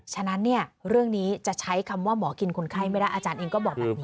ฉะนั้นเรื่องนี้จะใช้คำว่าหมอกินคนไข้ไม่ได้อาจารย์เองก็บอกแบบนี้